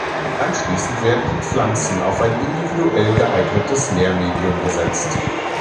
Anschließend werden die Pflanzen auf ein individuell geeignetes Nährmedium gesetzt.